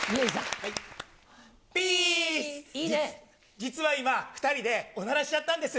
実は今、２人でおならしちゃったんです。